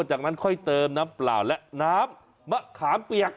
จากนั้นค่อยเติมน้ำเปล่าและน้ำมะขามเปียก